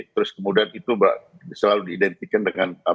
terus kemudian itu selalu diidentikan dengan